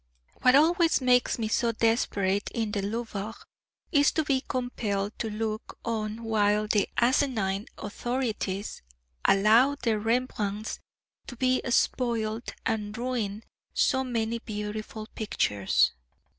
What always makes me so desperate in the Louvre, is to be compelled to look on while the asinine authorities allow their Rembrandts to be spoilt, and ruin so many beautiful pictures.